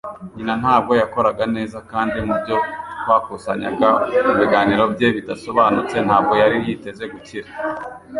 Nyina ntabwo yakoraga neza kandi mubyo twakusanyaga mubiganiro bye bidasobanutse, ntabwo yari yiteze gukira.